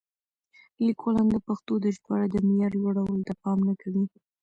لیکوالان د پښتو د ژباړې د معیار لوړولو ته پام نه کوي.